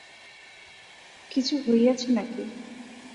কিছু হইয়াছে নাকি।